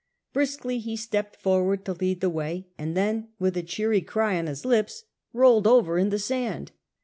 Briskly he stepped forward to lead the way, and then with a cheery cry on his lips rolled over in the sand.